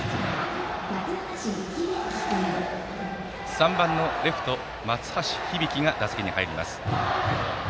３番のレフト、松橋日々生が打席に入ります。